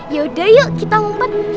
yaudah yuk kita ngumpet